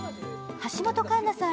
橋本環奈さん